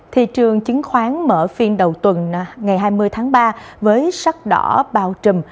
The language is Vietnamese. thị trường chứng khoán mở phiên đầu tuần ngày hai mươi tháng ba với sắc đỏ bao trùm